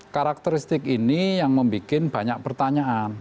karakteristik ini yang membuat banyak pertanyaan